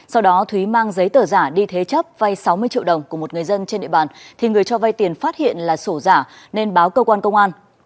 sau đó thúy mang giấy tờ giả đi thế chấp vay sáu mươi triệu đồng của một người dân trên địa bàn thì người cho vay tiền phát hiện là sổ giả nên báo cơ quan công an